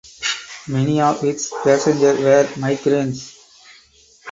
Many of its passengers were migrants.